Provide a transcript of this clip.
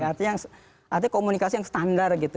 artinya komunikasi yang standar gitu